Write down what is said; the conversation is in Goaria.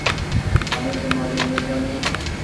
سائين تمآري مهربآني ۔